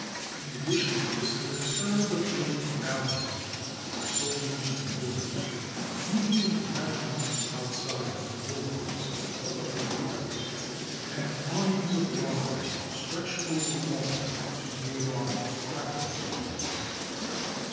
In addition to this an external defended gallery for soldiers and boarders usually ran along the outside of the bulwarks above the oars; and awnings of rawhide were stretched over all to ward off grappling irons.